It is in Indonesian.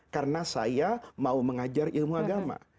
karena saya mau mengajar ilmu agama